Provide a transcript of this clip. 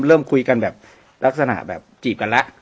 เริ่มคุยกันแบบลักษณะแบบจีบกันแล้ว